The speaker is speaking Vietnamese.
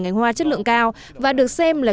ngành hoa chất lượng cao và được xem là